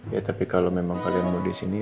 ya tapi kalau memang kalian mau di sini